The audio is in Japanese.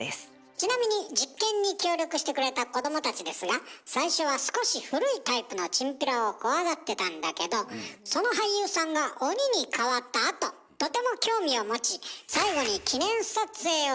ちなみに実験に協力してくれた子どもたちですが最初は少し古いタイプのチンピラを怖がってたんだけどその俳優さんが鬼に変わったあととても興味を持ち最後に記念撮影をするほど仲よくなったそうです。